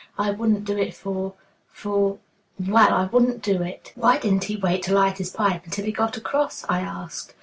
I wouldn't do it for for Well, I wouldn't do it." "Why didn't he wait to light his pipe until he got across?" I asked.